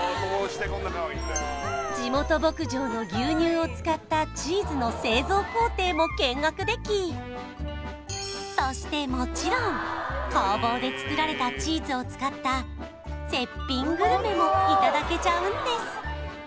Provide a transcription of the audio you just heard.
地元牧場の牛乳を使ったチーズの製造工程も見学できそしてもちろん工房で作られたチーズを使った絶品グルメもいただけちゃうんです